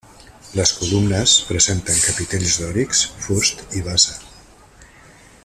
Les columnes presenten capitells dòrics, fust i base.